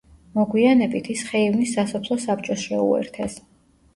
მოგვიანებით, ის ხეივნის სასოფლო საბჭოს შეუერთეს.